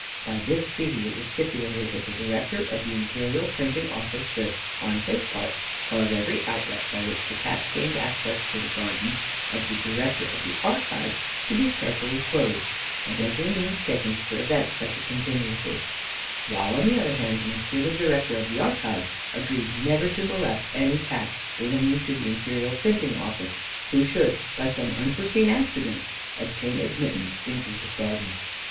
By this treaty it was stipulated that the Director of the Imperial Printing Office should, on his part, cause every outlet by which the Cats gained access to the gardens of the Director of the Archives to be carefully closed, and every means taken to prevent such a contingency; while, on the other hand, Monsieur, the Director of the Archives, agreed never to molest any Cat belonging to the Imperial Printing Office, who should, by some unforeseen accident, obtain admittance into his garden.